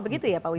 begitu ya pak wim